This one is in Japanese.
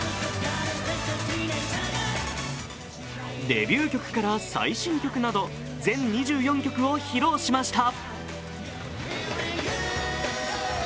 デビュー曲から最新曲など全２４曲を披露しました。